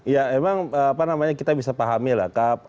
ya emang apa namanya kita bisa pahami lah